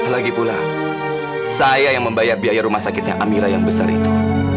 lagi pula saya yang membayar biaya rumah sakitnya amira yang besar itu